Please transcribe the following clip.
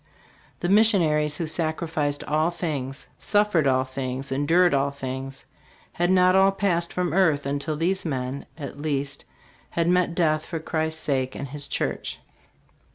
The missionaries who sacrificed all things, suffered all things, endured all things, had not all passed from earth until these men, at least, had met death for Christ's sake and his church.